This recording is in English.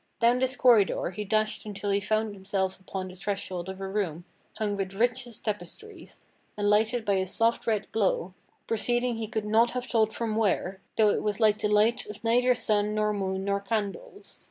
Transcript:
Down this corridor he dashed until he found himself upon the threshold of a room hung with richest tapestries, and lighted by a soft red glow, proceeding he could not have told from where, though it was like the light of neither sun nor moon nor candles.